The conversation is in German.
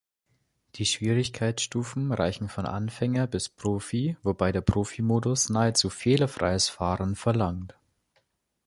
Die Schwierigkeitsstufen reichen von Anfänger bis Profi, wobei der Profi-Modus nahezu fehlerfreies Fahren verlangt.